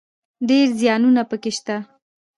ډېر زياتونه پکښي سته.